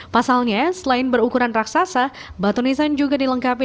pasalnya selain berukuran raksasa batu nisan juga dilengkapi